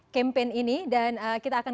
campaign ini dan kita akan